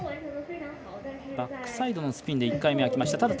バックサイドのスピンで１回目はきました。